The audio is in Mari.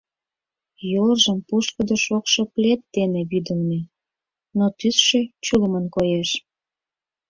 Йолжым пушкыдо шокшо плед дене вӱдылмӧ, но тӱсшӧ чулымын коеш.